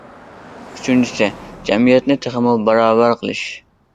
ئۈچىنچىسى، جەمئىيەتنى تېخىمۇ باراۋەر قىلىش.